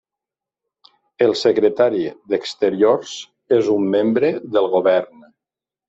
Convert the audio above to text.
El Secretari d'Exteriors és un membre del Govern.